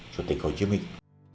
chủ tịch hồ chí minh